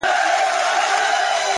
د ټپې په اله زار کي يې ويده کړم’